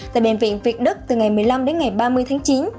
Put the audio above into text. tại bệnh viện việt đức từ ngày một mươi năm đến ngày ba mươi tháng chín